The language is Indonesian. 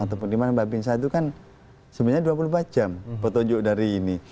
ataupun dimana mbak bin sah itu kan sebenarnya dua puluh empat jam petunjuk dari ini